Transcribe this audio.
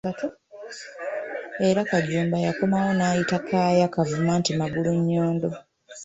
Era Kajumba yakomawo n'ayita Kaaya Kavuma nti Magulunnyondo.